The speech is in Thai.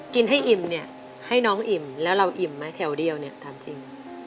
กินให้อิ่มเนี่ยให้น้องอิ่มแล้วเราอิ่มไหมแถวเดียวเนี่ยถามจริง